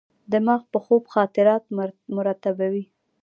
دماغ په خوب خاطرات مرتبوي.